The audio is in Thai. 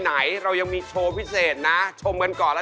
เอาเขาออกเลยได้ไหมค่ะ